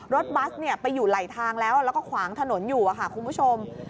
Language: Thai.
บัสไปอยู่ไหลทางแล้วแล้วก็ขวางถนนอยู่ค่ะคุณผู้ชม